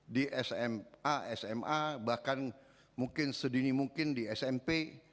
di sma sma bahkan mungkin sedini mungkin di smp